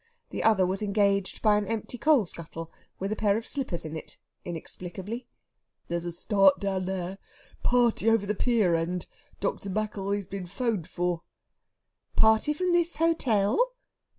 The other was engaged by an empty coal scuttle with a pair of slippers in it, inexplicably. "There's a start down there. Party over the pier end! Dr. Maccoll he's been 'phoned for." "Party from this hotel?"